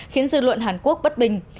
khiến dư luận hàn quốc bất bình